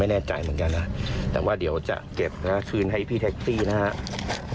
แน่ใจเหมือนกันนะแต่ว่าเดี๋ยวจะเก็บนะคืนให้พี่แท็กซี่นะครับ